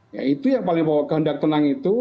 ya itu yang paling bahwa kehendak tenang itu